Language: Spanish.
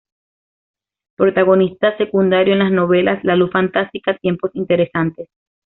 Protagonista secundario en las novelas "La luz fantástica", "Tiempos interesantes".